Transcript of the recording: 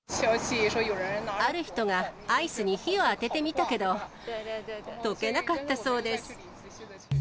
ある人が、アイスに火を当ててみたけど、溶けなかったそうです。